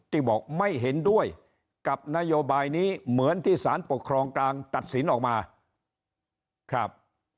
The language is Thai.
ที่บอกไม่เห็นด้วยกับนโยบายนี้เหมือนที่สารปกครองกลางตัดสินออกมาครับ